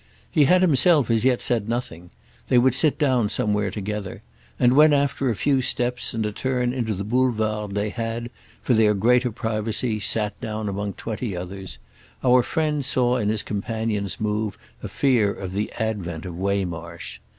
He had himself as yet had nothing—they would sit down somewhere together; and when after a few steps and a turn into the Boulevard they had, for their greater privacy, sat down among twenty others, our friend saw in his companion's move a fear of the advent of Waymarsh.